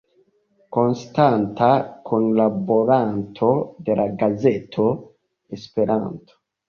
Konstanta kunlaboranto de la gazeto Esperanto.